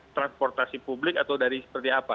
transportasi publik atau dari seperti apa